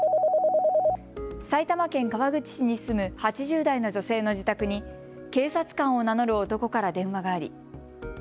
埼玉県川口市に住む８０代の女性の自宅に警察官を名乗る男から電話があり